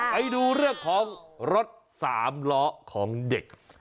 ไปดูเรื่องของรถสามล้อของเด็ก